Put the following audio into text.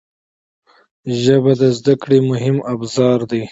ژبه د زده کړې مهم ابزار دی